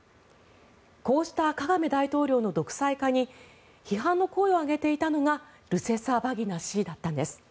こうしたカガメ大統領の独裁化に批判の声を上げていたのがルセサバギナ氏だったんです。